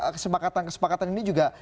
kesepakatan kesepakatan ini juga